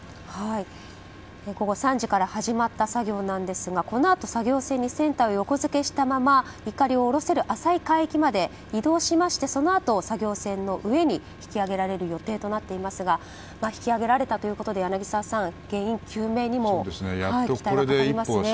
午後３時から始まった作業ですがこのあと作業船に船体を横付けしたままいかりを下ろせる浅い海域まで移動してそのあと作業船の上に引き揚げられる予定となっていますが引き揚げられたということで柳澤さん、原因究明にも期待がかかりますね。